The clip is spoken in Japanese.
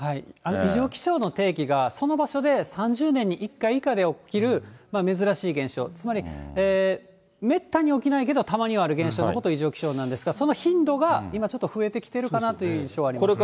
異常気象の定義が、その場所で３０年に１回以下で起きる珍しい現象、つまり、めったに起きないけど、たまにはある現象のことを異常気象なんですが、その頻度が今、ちょっと増えてきているかなという印象はありますね。